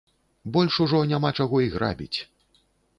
Больш ужо няма чаго і грабіць.